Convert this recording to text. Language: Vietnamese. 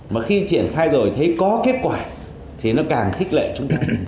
mà khi triển khai rồi thấy có kết quả thì nó càng khích lệ chúng ta